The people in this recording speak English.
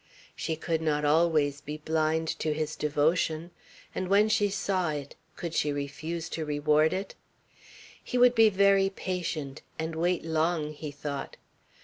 She could not always be blind to his devotion; and when she saw it, could she refuse to reward it? He would be very patient, and wait long, he thought.